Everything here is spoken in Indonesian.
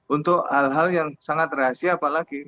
untuk hal hal yang sangat rahasia apalagi